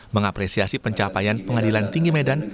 mengapresiasi pencapaian pengadilan tinggi medan